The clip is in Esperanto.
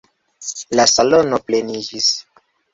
La salono pleniĝis.